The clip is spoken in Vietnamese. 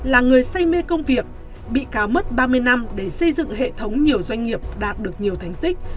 là người say mê công việc bị cáo mất ba mươi năm để xây dựng hệ thống nhiều doanh nghiệp đạt được nhiều thành tích